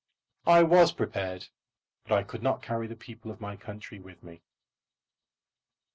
I was prepared, but I could not carry the people of my country with me.